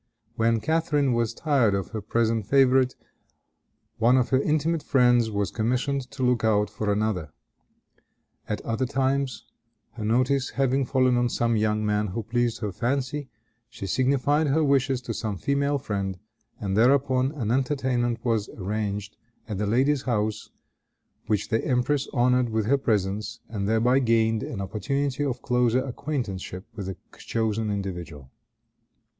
When Catharine was tired of her present favorite, one of her intimate friends was commissioned to look out for another. At other times, her notice having fallen on some young man who pleased her fancy, she signified her wishes to some female friend, and thereupon an entertainment was arranged at the lady's house, which the empress honored with her presence, and thereby gained an opportunity of closer acquaintanceship with the chosen individual.